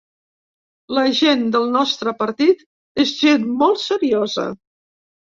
La gent del nostre partit és gent molt seriosa.